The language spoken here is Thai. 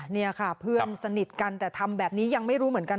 นี่ค่ะเพื่อนสนิทกันแต่ทำแบบนี้ยังไม่รู้เหมือนกัน